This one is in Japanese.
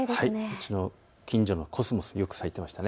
うちの近所のコスモス、よく咲いていました。